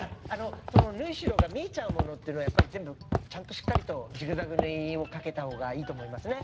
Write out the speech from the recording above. その縫い代が見えちゃうものっていうのはやっぱり全部ちゃんとしっかりとジグザグ縫いをかけた方がいいと思いますね。